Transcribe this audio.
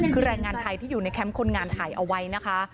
คือแรงงานไทยที่อยู่ในแคมป์คนงานถ่ายเอาไว้นะคะ